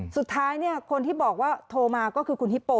สุดท้ายคนที่บอกว่าโทรมาก็คือคุณฮิปโป